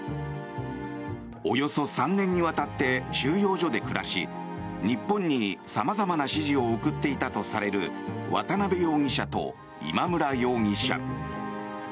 およそ３年にわたって収容所で暮らし日本に様々な指示を送っていたとされる渡邉容疑者と今村容疑者。